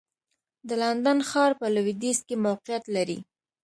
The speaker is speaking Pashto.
د لندن ښار په لوېدیځ کې موقعیت لري.